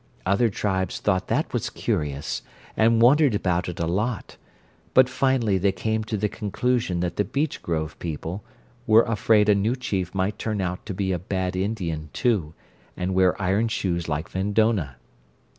Other tribes thought that was curious, and wondered about it a lot, but finally they came to the conclusion that the beech grove people were afraid a new chief might turn out to be a bad Indian, too, and wear iron shoes like Vendonah.